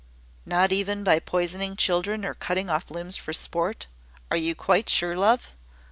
"Not even by poisoning children, nor cutting off limbs for sport? Are you quite sure, love?